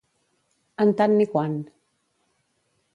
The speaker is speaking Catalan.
En tant ni quant.